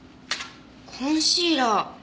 コンシーラー。